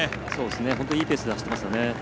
本当にいいペースで走っていますよね。